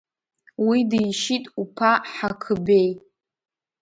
Уи дишьит уԥа Ҳақыбеи.